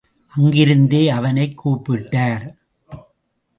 அங்கிருந்தே அவனைக் கூப்பிட்டார்.